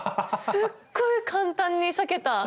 すっごい簡単に裂けた。